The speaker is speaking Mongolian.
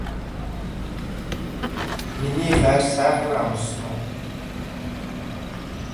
миний хайр сайхан амарсан уу